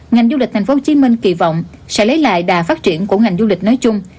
ngành du lịch tp hcm kỳ vọng sẽ lấy lại đà phát triển của ngành du lịch nói chung